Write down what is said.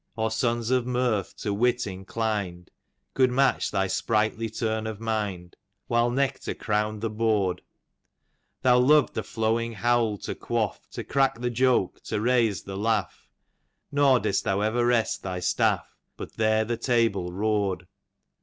Or sons of mirth to wit inolin'd, Could match thy sprightly turn of mind, While nectar crown'd the board ; Thou lov'd the flowing bowl to quaff, To crack the joke, to raise the laugh, Nor didst thou ever rest thy staff, But there the table roar'd.